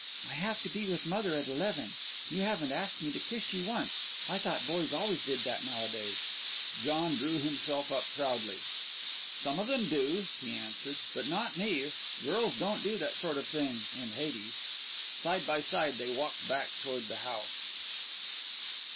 "I have to be with mother at eleven. You haven't asked me to kiss you once. I thought boys always did that nowadays." John drew himself up proudly. "Some of them do," he answered, "but not me. Girls don't do that sort of thing in Hades." Side by side they walked back toward the house.